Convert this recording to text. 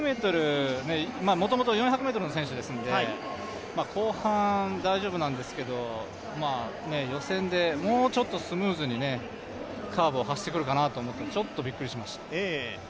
もともと４００ｍの選手ですので、後半、大丈夫なんですけど予選でもうちょっとスムーズにカーブを走ってくるかなと思ったので、ちょっとびっくりしました。